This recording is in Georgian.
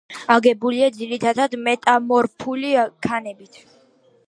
აგებულია ძირითადად მეტამორფული ქანებით.